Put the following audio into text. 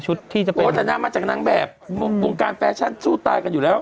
ชุดที่จะเปลี่ยนเหมือนทำให้มาจากนางแบบวงการฟาชั่นสู้ตายกันอยู่แล้ว